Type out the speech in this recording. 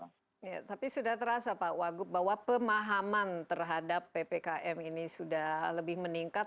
ya tapi sudah terasa pak wagub bahwa pemahaman terhadap ppkm ini sudah lebih meningkat